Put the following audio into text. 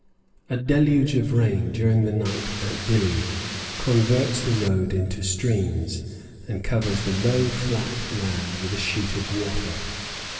A deluge of rain during the night at Dilli converts the road into streams, and covers the low, flat land with a sheet of water.